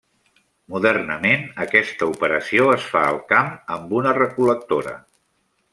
Modernament aquesta operació es fa al camp amb una recol·lectora.